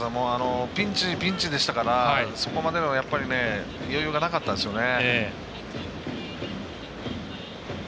ピンチ、ピンチでしたからそこまでの余裕がなかったんですよね。